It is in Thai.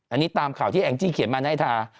อันนี้ตามข่าวที่แองจี้เขียนมาให้ทา